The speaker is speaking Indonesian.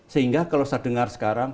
sehingga kalau saya dengar sekarang